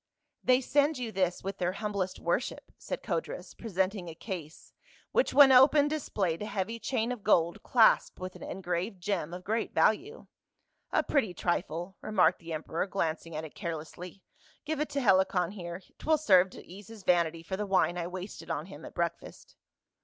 "They send you this with their humblest worship," said Codrus, presenting a case, which when opened displayed a heavy chain of gold, clasped with an en graved gem of great value. "A pretty trifle," remarked the emperor, glancing at it carelessly. " Give it to Helicon here ; 'twill serve to ease his vanity for the wine I wasted on him at breakfast."